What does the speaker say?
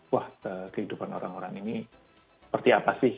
wah kehidupan orang orang ini seperti apa sih